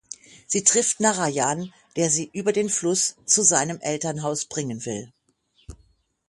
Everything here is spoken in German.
Sie trifft Narayan, der sie über den Fluss zu seinem Elternhaus bringen will.